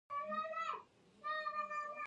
زه د ښو کارونو هڅوونکی یم.